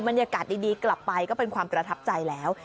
บรรยากาศดีกลับไปก็เป็นความประทับใจแล้ว